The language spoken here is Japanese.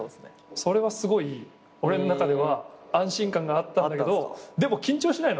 それはすごい俺の中では安心感があったんだけどでも緊張しないの？